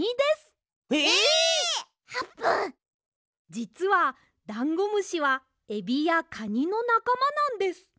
じつはダンゴムシはエビやカニのなかまなんです。